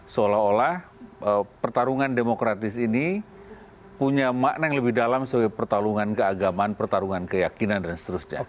seolah olah pertarungan demokratis ini punya makna yang lebih dalam sebagai pertarungan keagamaan pertarungan keyakinan dan seterusnya